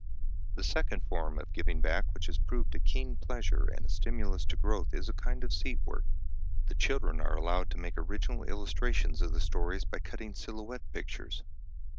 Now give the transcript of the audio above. The second form of giving back which has proved a keen pleasure and a stimulus to growth is a kind of "seat work." The children are allowed to make original illustrations of the stories by cutting silhouette pictures.